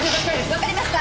わかりました。